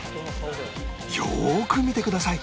よーく見てください